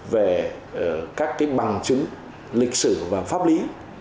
về các bằng chứng lịch sử và pháp lý